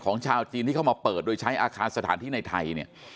ชาวจีนที่เข้ามาเปิดโดยใช้อาคารสถานที่ในไทยเนี่ย